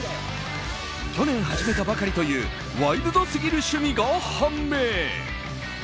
去年始めたばかりというワイルドすぎる趣味が判明。